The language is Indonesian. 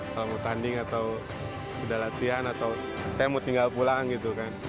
kalau mau tanding atau udah latihan atau saya mau tinggal pulang gitu kan